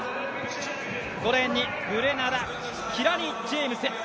５レーンにグレナダキラニ・ジェームス。